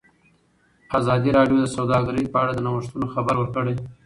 ازادي راډیو د سوداګري په اړه د نوښتونو خبر ورکړی.